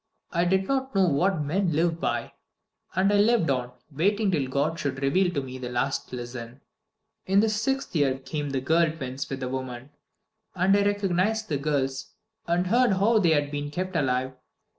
I did not know What men live by. And I lived on, waiting till God should reveal to me the last lesson. In the sixth year came the girl twins with the woman; and I recognized the girls, and heard how they had been kept alive.